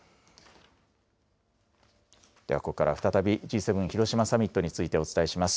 ではここから再びＧ７広島サミットについてお伝えします。